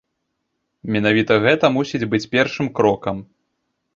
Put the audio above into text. Менавіта гэта мусіць быць першым крокам.